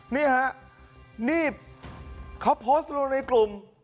นี่ฮะนี่เขาโพสต์ลงในกลุ่ม